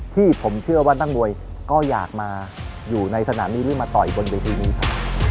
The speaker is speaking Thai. ที่ผมเชื่อว่านักมวยก็อยากมาอยู่ในสนามนี้หรือมาต่ออีกบนเวทีนี้ครับ